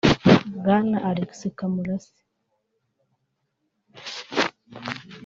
Bwana Alex Kamurase